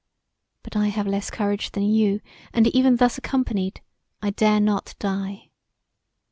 But I have less courage than you and even thus accompanied I dare not die.